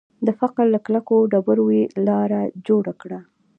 د فقر له کلکو ډبرو یې لاره جوړه کړه